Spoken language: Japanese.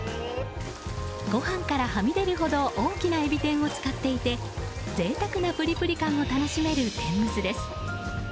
ご飯からはみ出るほど大きなエビ天を使っていて贅沢なプリプリ感を楽しめる天むすです。